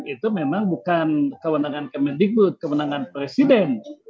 itu memang bukan kewenangan kemendikbud kemenangan presiden